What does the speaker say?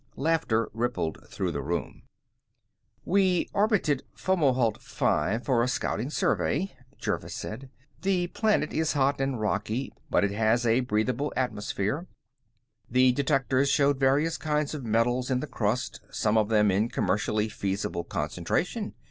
Laughter rippled through the room. "We orbited around Fomalhaut V for a Scouting Survey," Jervis said. "The planet is hot and rocky, but it has a breathable atmosphere. The detectors showed various kinds of metals in the crust, some of them in commercially feasible concentration.